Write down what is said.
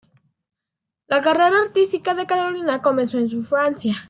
La carrera artística de Carolina comenzó en su infancia.